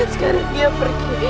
sekarang dia pergi